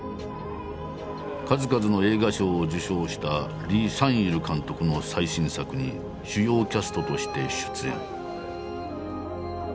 数々の映画賞を受賞した李相日監督の最新作に主要キャストとして出演。